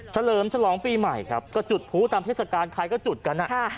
เลิมฉลองปีใหม่ครับก็จุดผู้ตามเทศกาลใครก็จุดกัน